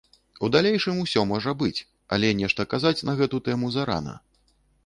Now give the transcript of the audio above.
У далейшым усё можа быць, але нешта казаць на гэту тэму зарана.